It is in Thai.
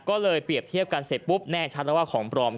ก็เลยเปรียบเทียบกันเสร็จปุ๊บแน่ชัดแล้วว่าของปลอม